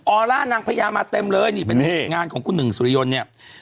อลล่านางพญามาเต็มเลยนี่เป็นงานของคุณหนึ่งสุริยนต์เนี่ย